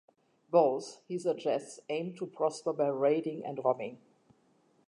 Both, he suggests, aim to prosper by raiding and robbing.